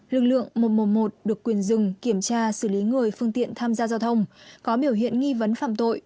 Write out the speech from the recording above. lực lượng một trăm một mươi một được quyền dừng kiểm tra xử lý người phương tiện tham gia giao thông có biểu hiện nghi vấn phạm tội